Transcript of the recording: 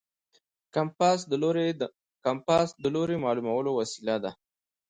کمپاس د لوري معلومولو وسیله ده.